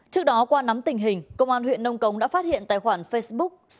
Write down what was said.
trước đó qua nắm tình hình công an huyện nông cống đã phát hiện tài khoản facebook